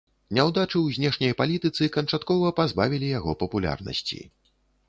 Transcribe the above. Няўдачы ў знешняй палітыцы канчаткова пазбавілі яго папулярнасці.